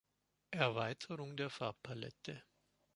Erweiterung der Farbpalette.